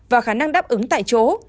và khả năng đáp ứng tại chỗ